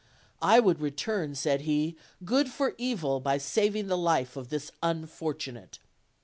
"I would return," said he, "good for evil by saving the life of this unfortunate."